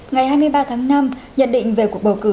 ngày hai mươi ba tháng năm nhận định về cuộc bầu cử